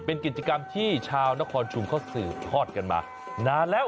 เป็นกิจกรรมที่ชาวนครชุมเขาสืบทอดกันมานานแล้ว